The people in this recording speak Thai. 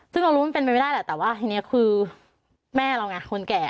ซึ่งเรารู้ว่ามันเป็นไปไม่ได้แหละแต่ว่าทีนี้คือแม่เราไงคนแก่